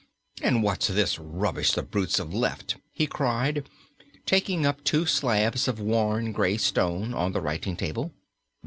"And what's this rubbish the brutes have left?" he cried, taking up two slabs of worn gray stone, on the writing table.